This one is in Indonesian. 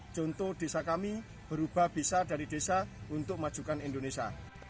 contoh desa kami berubah bisa dari desa untuk majukan indonesia